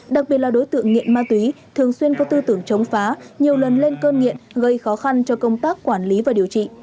đặc biệt là đối tượng nghiện ma túy thường xuyên có tư tưởng chống phá nhiều lần lên cơn nghiện gây khó khăn cho công tác quản lý và điều trị